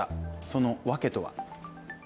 その訳とは。